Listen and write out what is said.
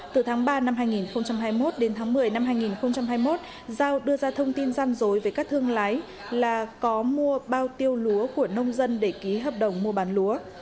từ tháng ba năm hai nghìn hai mươi một đến tháng một mươi năm hai nghìn hai mươi một giao đưa ra thông tin gian dối về các thương lái là có mua bao tiêu lúa của nông dân để ký hợp đồng mua bán lúa